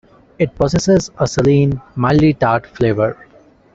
It possesses a saline, mildly tart flavor.